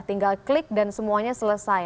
tinggal klik dan semuanya selesai